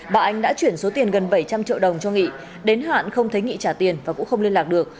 bà ánh đã chuyển số tiền gần bảy trăm linh triệu đồng cho nghị đến hạn không thấy nghị trả tiền và cũng không liên lạc được